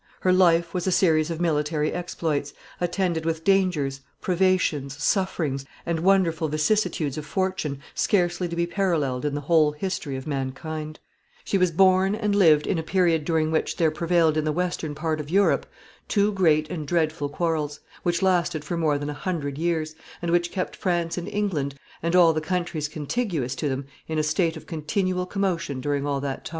Her life was a series of military exploits, attended with dangers, privations, sufferings, and wonderful vicissitudes of fortune, scarcely to be paralleled in the whole history of mankind. [Sidenote: Two great quarrels.] She was born and lived in a period during which there prevailed in the western part of Europe two great and dreadful quarrels, which lasted for more than a hundred years, and which kept France and England, and all the countries contiguous to them, in a state of continual commotion during all that time.